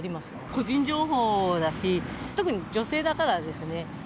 個人情報だし、特に女性だからですね。